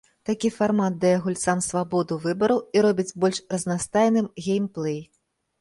Такі фармат дае гульцам свабоду выбару і робіць больш разнастайным геймплэй.